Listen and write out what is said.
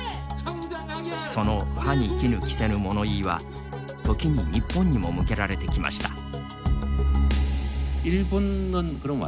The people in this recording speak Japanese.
その歯にきぬ着せぬ物言いは時に日本にも向けられてきました。